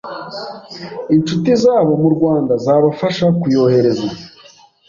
inshuti zabo mu Rwanda zabafasha kuyohereza.